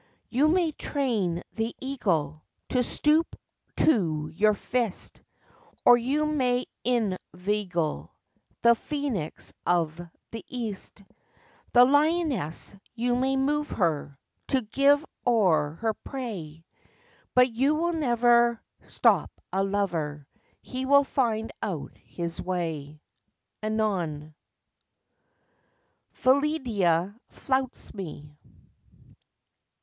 You may train the eagle To stoop to your fist; Or you may inveigle The Phoenix of the East; The lioness, you may move her To give o'er her prey; But you will never stop a lover He will find out his way. Anon. PHILLIDA FLOUTS ME.